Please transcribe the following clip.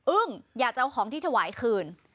อยากจะเอาของที่ถวายคืน